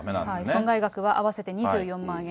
損害額は合わせて２４万円。